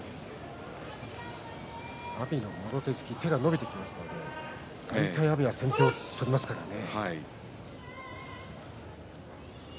阿炎のもろ手突き手が伸びてきますので大体阿炎は先手を取りますからね。